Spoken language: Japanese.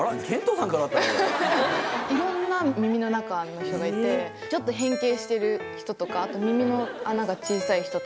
いろんな耳の中の人がいてちょっと変形してる人とかあと耳の穴が小さい人とか。